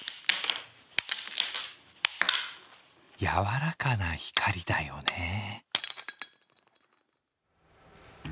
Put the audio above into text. やわらかな光だよね。